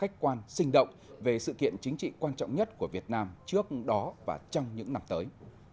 hiện chính trị quan trọng nhất của việt nam trước đó và trong những năm tới